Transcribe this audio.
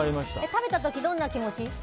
食べた時、どんな気持ち？